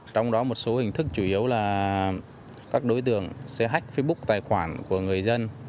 trong đó một số hình thức chủ yếu là các đối tượng sẽ hách facebook tài khoản của người dân